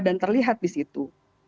dan terlihat di situ